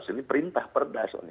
ini perintah perda soalnya